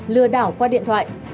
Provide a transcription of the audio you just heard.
lừa đảo đánh giá